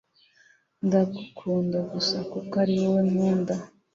Ndagukunda gusa kuko ariwowe nkunda